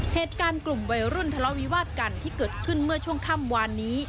เหตุการณ์กลุ่มวัยรุ่นทะเลาวิวาสกันที่เกิดขึ้นเมื่อช่วงค่ำวานนี้